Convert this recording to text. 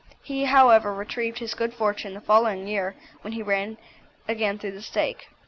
He, however, retrieved his good fortune the following year, when he again ran through the stake.